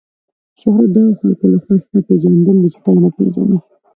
شهرت د هغو خلکو له خوا ستا پیژندل دي چې ته یې نه پیژنې.